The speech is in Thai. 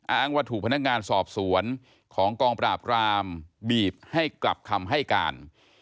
อ้างว่าถูกพนักงานสอบสวนของกองปราบรามบีบให้กลับคำให้การ